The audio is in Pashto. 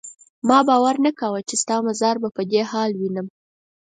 ما باور نه کاوه چې ستا مزار به په دې حال وینم.